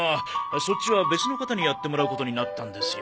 そっちは別の方にやってもらうことになったんですよ。